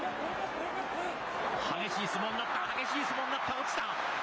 激しい相撲になった、激しい相撲になった、落ちた。